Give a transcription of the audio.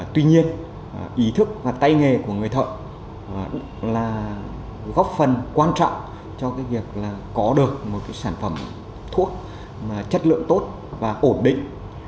tuy nhiên ý thức và tay nghề của người thợ là góp phần quan trọng cho việc có được một sản phẩm thuốc chất lượng tốt và ổn định